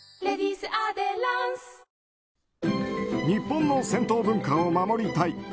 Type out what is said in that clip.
日本の銭湯文化を守りたい。